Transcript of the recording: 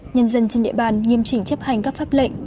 nhân dân trên địa bàn nghiêm chỉnh chấp hành các pháp lệnh